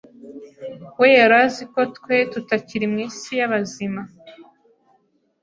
We yari azi ko twe tutakiri mu isi y’abazima,